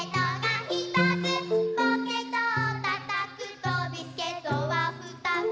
「ポケットをたたくとビスケットはふたつ」